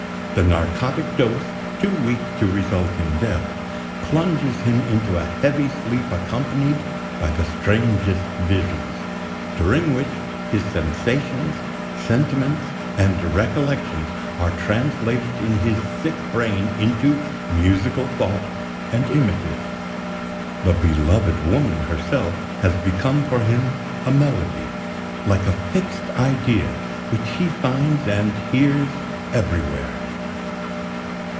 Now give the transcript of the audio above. The narcotic dose, too weak to result in death, plunges him into a heavy sleep accompanied by the strangest visions, during which his sensations, sentiments, and recollections are translated in his sick brain into musical thought and images. The beloved woman herself has become for him a melody, like a fixed idea which he finds and hears everywhere.